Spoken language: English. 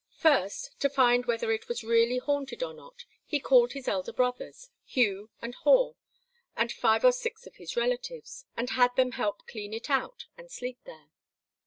First, to find whether it was really haunted or not, he called his elder brothers, Hugh and Haw, and five or six of his relatives, and had them help clean it out and sleep there.